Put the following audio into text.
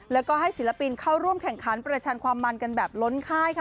แล้วก็ให้ศิลปินเข้าร่วมแข่งขันประชันความมันกันแบบล้นค่ายค่ะ